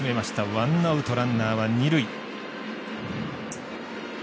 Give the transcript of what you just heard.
ワンアウト、ランナーは二塁。